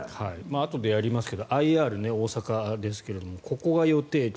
あとでやりますがＩＲ、大阪ですけどもここが予定地